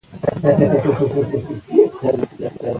په افغانستان کې د نورستان منابع شته.